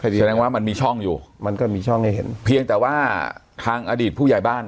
แสดงว่ามันมีช่องอยู่มันก็มีช่องให้เห็นเพียงแต่ว่าทางอดีตผู้ใหญ่บ้าน